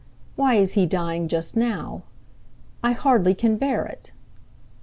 Why is he dying just now? I hardly can bear it!